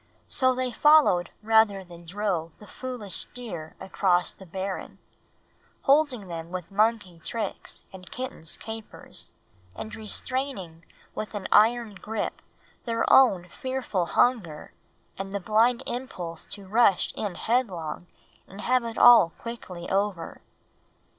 So they followed rather than drove the foolish deer across the barren, holding them with monkey tricks and kitten's capers, and restraining with an iron grip their own fearful hunger and the blind impulse to rush in headlong and have it all quickly over.